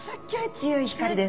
強い光です。